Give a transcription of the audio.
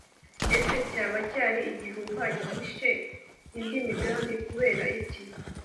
ese cyaba cyari igihuha gihishe indi migambi? kubera iki?